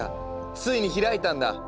ついに開いたんだ。